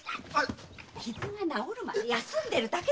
傷が治るまで休んでるだけだよ。